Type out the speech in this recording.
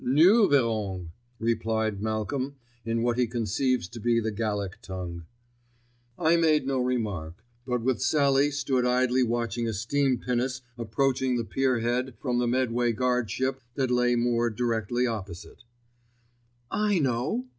"Noo verrong," replied Malcolm in what he conceives to be the Gallic tongue. I made no remark, but with Sallie stood idly watching a steam pinnace approaching the pier head from the Medway guardship that lay moored directly opposite. "I know!"